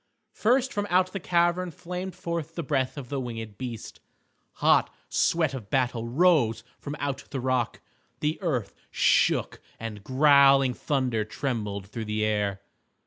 First from out the cavern flamed forth the breath of the winged beast. Hot sweat of battle rose from out the rock. The earth shook and growling thunder trembled through the air.